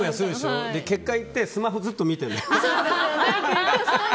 結果、行ってスマホずっと見てる。